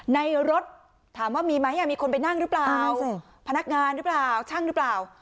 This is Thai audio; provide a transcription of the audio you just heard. ในรถถามว่ามีไหมมีคนไปนั่งหรือเปล่าพนักงานหรือเปล่าช่างหรือเปล่า